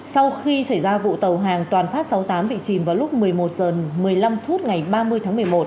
sau khi xảy ra vụ tàu hàng toàn phát sáu mươi tám bị chìm vào lúc một mươi một h một mươi năm phút ngày ba mươi tháng một mươi một